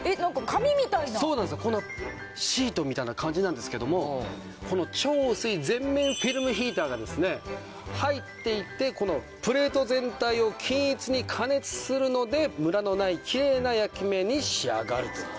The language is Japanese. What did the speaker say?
シートみたいな感じなんですけどもこの超薄い全面フィルムヒーターがですね入っていてこのプレート全体を均一に加熱するのでムラのないきれいな焼き目に仕上がるという。